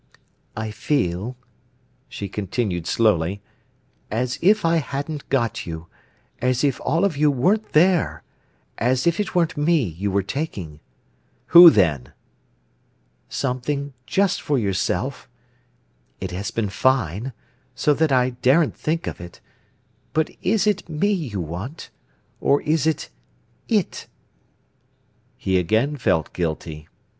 "I feel," she continued slowly, "as if I hadn't got you, as if all of you weren't there, and as if it weren't me you were taking—" "Who, then?" "Something just for yourself. It has been fine, so that I daren't think of it. But is it me you want, or is it It?" He again felt guilty.